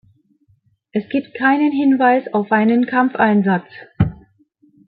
Es gibt keinen Hinweis auf einen Kampfeinsatz.